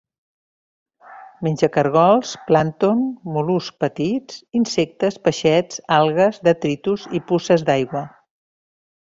Menja caragols, plàncton, mol·luscs petits, insectes, peixets, algues, detritus i puces d'aigua.